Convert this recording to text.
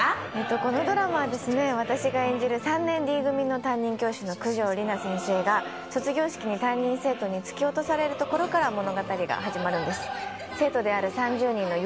このドラマはですね、私が演じる３年Ｄ組の担任教師・九条里奈先生が、卒業式に担任の生徒に突き落とされるところから物語が始まります。